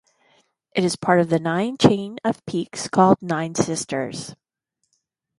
It is part of the chain of peaks called the Nine Sisters.